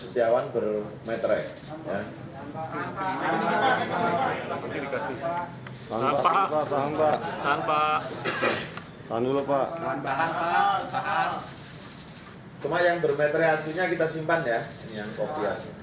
dikit saja pak